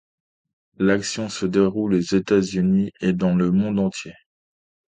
L'action se déroule aux États-Unis et dans le monde entier.